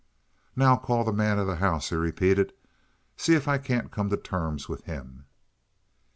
"Now call the man of the house," he repeated. "See if I can't come to terms with him."